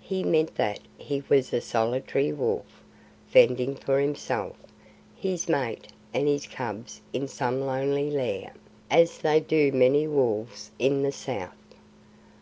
He meant that he was a solitary wolf, fending for himself, his mate, and his cubs in some lonely lair, as do many wolves in the south.